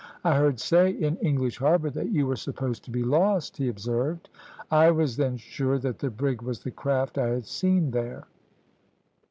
"`I heard say in English Harbour that you were supposed to be lost,' he observed. "I was then sure that the brig was the craft I had seen there.